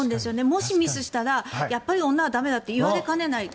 もしミスしたらやっぱり女は駄目だって言われかねない。